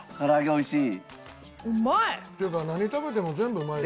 おいしい！